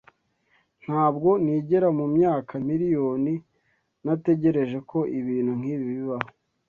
Ntabwo nigera mumyaka miriyoni nategereje ko ibintu nkibi bibaho.